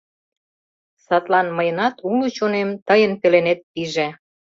Садлан мыйынат уло чонем тыйын пеленет пиже...